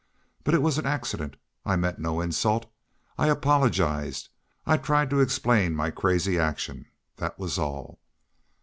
But it was an accident. I meant no insult. I apologized I tried to explain my crazy action.... Thet was all.